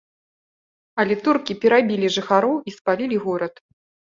Але туркі перабілі жыхароў і спалілі горад.